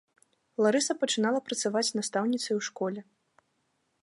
Ларыса пачынала працаваць настаўніцай у школе.